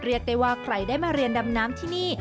เรียกได้ว่าใครได้มาเรียนดำน้ำที่นี่